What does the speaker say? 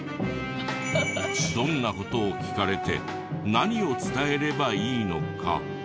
どんな事を聞かれて何を伝えればいいのか？